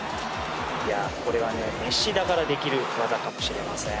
これはメッシだからできる技かもしれません。